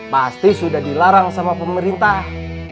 pasti sudah dilarang sama pemerintah